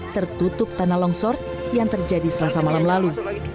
tertutup tanah longsor yang terjadi selasa malam lalu